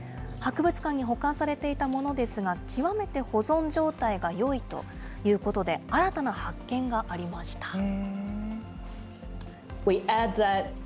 博物館に保管されていたものですが、極めて保存状態がよいということで、新たな発見がありました。